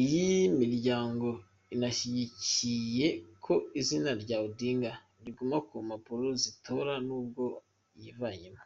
Iyi miryango inashyigikye ko izina rya Odinga riguma ku mpapuro z’itora nubwo yivanyemo.